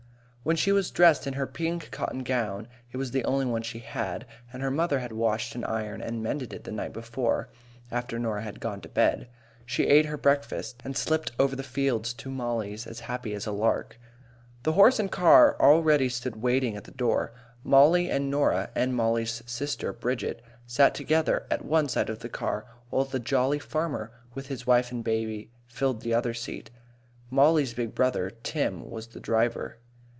When she was dressed in her pink cotton gown (it was the only one she had, and her mother had washed and ironed and mended it the night before, after Norah had gone to bed), she ate her breakfast, and slipped over the fields to Mollie's, as happy as a lark. The horse and car already stood waiting at the door. Mollie and Norah, and Mollie's sister Bridget, sat together on one side of the car, while the jolly farmer, with his wife and baby, filled the other seat. Mollie's big brother Tim was the driver.